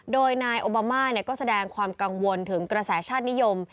โดยนายโอบามาก็แสดงความกังวลถึงกระแสชาตินิยม